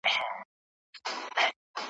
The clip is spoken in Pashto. لکه شمع لمبه خورم لمبه مي وخوري `